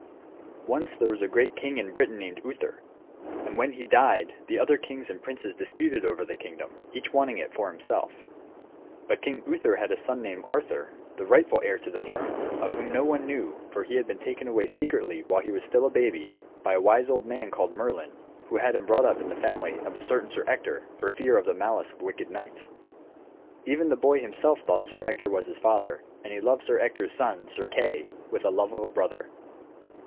] Once there was a great king in Britain named Uther, and when he died the other kings and princes disputed over the kingdom, each wanting it for himself. But King Uther had a son named Arthur, the rightful heir to the throne, of whom no one knew, for he had been taken away secretly while he was still a baby by a wise old man called Merlin, who had him brought up in the family of a certain Sir Ector, for fear of the malice of wicked knights. Even the boy himself thought Sir Ector was his father, and he loved Sir Ector's son, Sir Kay, with the love of a brother.